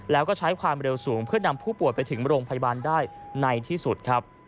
แล้วก็ใช้ความเร็วสูงเพื่อนำผู้ป่วยไปถึงโรงพยาบาลได้ในที่สุดครับ